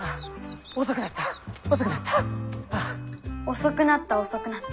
「遅くなった遅くなった」。